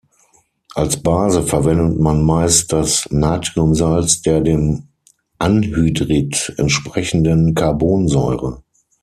Als Base verwendet man meist das Natriumsalz der dem Anhydrid entsprechenden Carbonsäure.